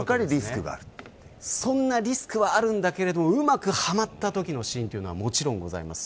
そんなリスクはあるんだけれどうまくはまったときのシーンがあります。